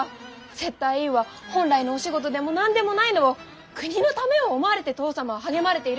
接待委員は本来のお仕事でも何でもないのを国のためを思われて父さまは励まれているんですよ。